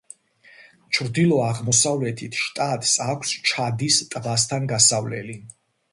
ჩრდილო-აღმოსავლეთით შტატს აქვს ჩადის ტბასთან გასასვლელი.